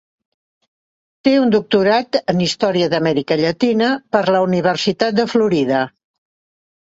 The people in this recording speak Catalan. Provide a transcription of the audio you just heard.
Té un doctorat en història d'Amèrica Llatina per la Universitat de Florida.